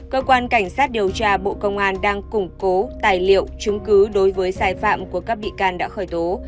cơ quan cảnh sát điều tra bộ công an đang củng cố tài liệu chứng cứ đối với sai phạm của các bị can đã khởi tố